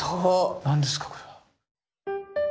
何ですかこれは。